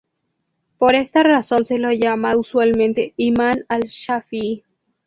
Por esta razón se lo llama usualmente Imán al-Shafi'i.